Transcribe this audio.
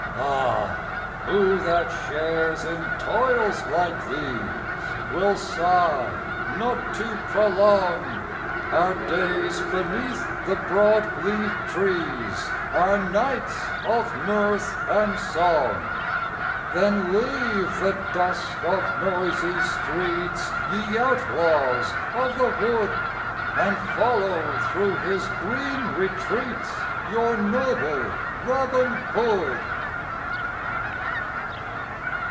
Ah, who that shares in toils like these Will sigh not to prolong Our days beneath the broad leaved trees, Our nights of mirth and song? Then leave the dust of noisy streets, Ye outlaws of the wood, And follow through his green retreats Your noble Robin Hood.